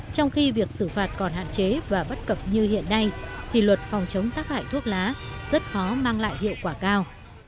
trong khi việc xử phạt còn hạn chế và bất cập như hiện nay thì luật phòng chống tác hại thuốc lá rất khó mang lại hiệu quả cao